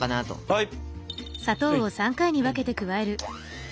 はい。